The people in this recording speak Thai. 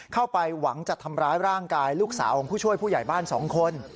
เข้าไปหวังจะทำร้ายร่างกายลูกสาวของผู้ช่วยผู้ใหญ่บ้าน๒คน